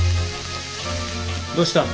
どうした？